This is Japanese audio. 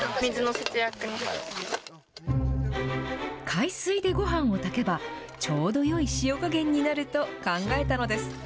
海水でごはんを炊けば、ちょうどよい塩加減になると考えたのです。